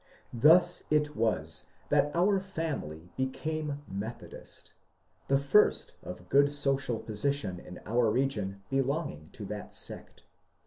Thus it was that our family became Methodist, — the first of good social position in our region belonging to that sect.